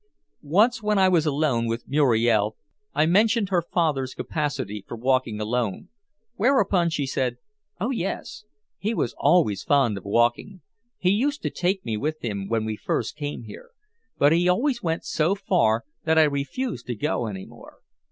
Once, when I was alone with Muriel, I mentioned her father's capacity for walking alone, whereupon she said "Oh, yes, he was always fond of walking. He used to take me with him when we first came here, but he always went so far that I refused to go any more."